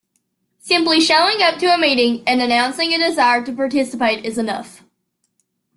Simply showing up to a meeting and announcing a desire to participate is enough.